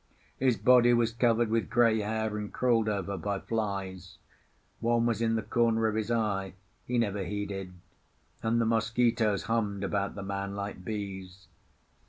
His body was covered with grey hair and crawled over by flies; one was in the corner of his eye—he never heeded; and the mosquitoes hummed about the man like bees.